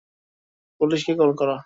Police কে call কর।